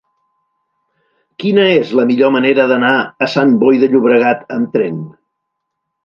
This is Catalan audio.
Quina és la millor manera d'anar a Sant Boi de Llobregat amb tren?